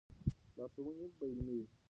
لارښوونې به علمي وي.